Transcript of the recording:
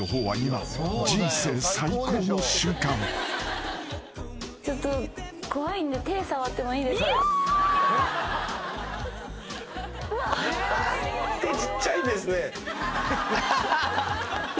はい。